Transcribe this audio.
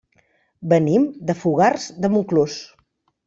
Venim de Fogars de Montclús.